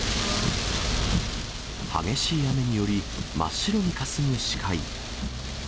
激しい雨により、真っ白にかすむ視界。